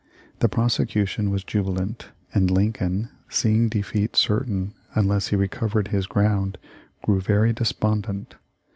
The prosecution was jubi lant, and Lincoln, seeing defeat certain unless he recovered his ground, grew very despondent.